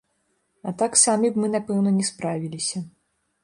А так, самі б мы, напэўна, не справіліся.